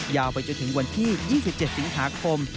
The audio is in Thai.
ยาวไปจนถึงวันที่๒๗สิงหาคม